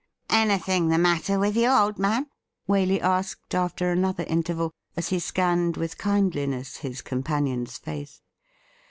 ' Anything the matter with you, old man .?' Waley asked after another interval, as he scanned with kindliness his companion''s face.